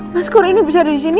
mas aku rina bisa ada disini